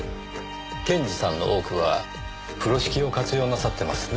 検事さんの多くは風呂敷を活用なさってますねぇ？